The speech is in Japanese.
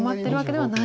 はい。